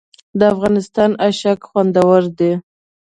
د افغانستان اشک خوندور دي